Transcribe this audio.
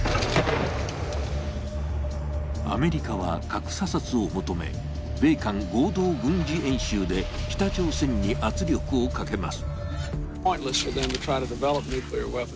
アメリカは核査察を求め米韓合同軍事演習で北朝鮮に圧力をかけます。